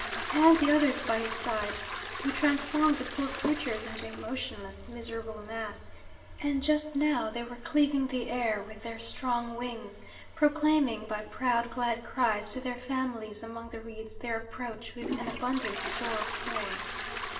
And the others by his side. We transformed the poor creatures into a motionless, miserable mass, and just now they were cleaving the air with their strong wings, proclaiming by proud, glad cries to their families among the reeds their approach with an abundant store of prey.